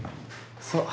そう。